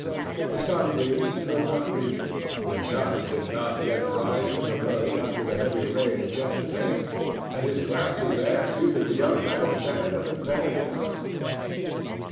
The sunbeams could not reach him; the dust did not yet rise from the road after the heavy rain of yesterday, and his grassy lair suited the young man better than a bed of down.